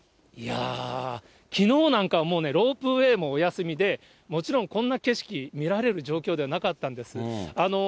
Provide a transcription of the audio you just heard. いやぁ、きのうなんかはもうロープウエーもお休みで、もちろんこんな景色、見られる状況じゃなかったんです。